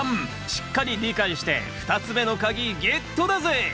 しっかり理解して２つ目の鍵ゲットだぜ！